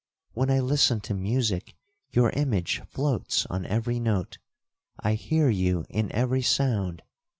When I listen to music, your image floats on every note,—I hear you in every sound.